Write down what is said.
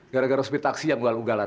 gara gara speed taxi yang gual gualan